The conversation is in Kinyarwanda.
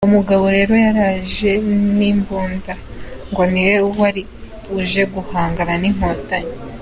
Uwo mugabo rero yaraje n’imbunda ngo niwe wari uje guhangana n’inkotanyi.